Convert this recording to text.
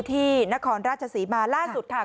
ที่นครราชศรีมาล่าสุดค่ะ